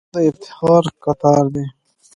تاریخ د افتخارو کتار دی.